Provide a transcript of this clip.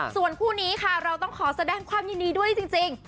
ส่วนคู่นี้ค่ะเราต้องขอแสดงความยินดีด้วยจริง